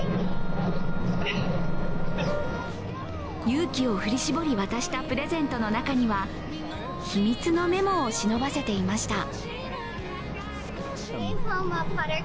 勇気を振り絞り渡したプレゼントの中には秘密のメモをしのばせていました。